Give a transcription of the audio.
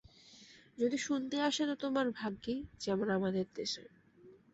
যদি শুনতে আসে তো তোমার ভাগ্যি, যেমন আমাদের দেশে।